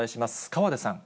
河出さん。